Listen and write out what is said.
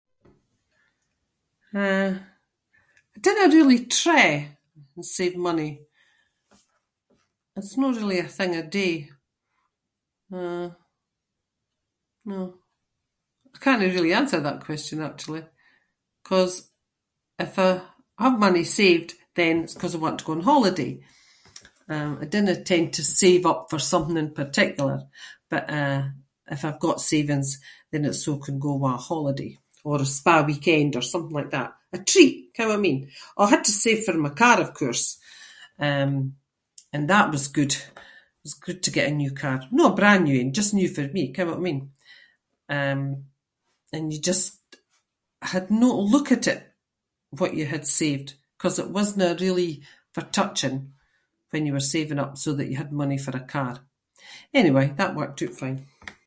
Uh, I dinna really try and save money. It’s no really a thing I do. Uh, no, I cannae really answer that question actually ‘cause if I have money saved then it’s because I want to go on holiday. Um, I dinna tend to save up for something in particular but eh, if I’ve got savings then it’s so I can go awa’ holiday or a spa weekend or something like that- a treat, ken what I mean? Oh I had to save for my car of course, um, and that was good. It was good to get a new car. No a brand new ain, just new for me, ken whit I mean? Um and you just had no to look at it, what you had saved, ‘cause it wasnae really for touching when you were saving up so that you had money for a car. Anyway, that worked out fine.